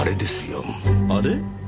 あれ？